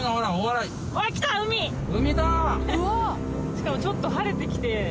しかもちょっと晴れてきて。